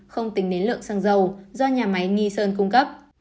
không tính đến lượng xăng dầu do nhà máy nghi sơn cung cấp